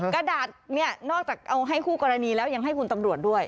กระดาษเนี่ยนอกจากเอาให้คู่กรณีแล้วยังให้คุณตำรวจด้วย